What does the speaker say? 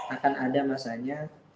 akan ada masanya